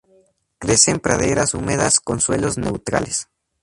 Crece en praderas húmedas con suelos neutrales.